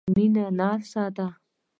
مينه نرسه ده.